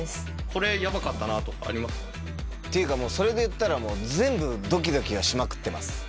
これやばかったなとかありまっていうか、それでいったら全部どきどきはしまくってます。